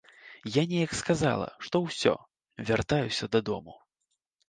Я неяк сказала, што ўсё, вяртаюся дадому.